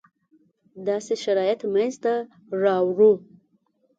داسې شرایط منځته راوړو.